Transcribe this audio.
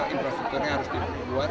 infrastrukturnya harus dibuat